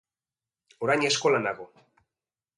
Orain eskolan nago.